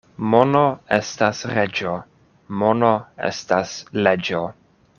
Mono estas reĝo, mono estas leĝo.